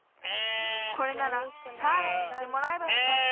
これならサーラにいてもらえばよかった。